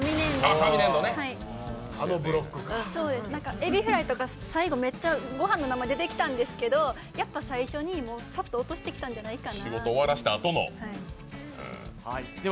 えびフライとか、最後めっちゃご飯の名前が出てきたんですけど、やっぱ最初にパッと落としてきたんじゃないかな。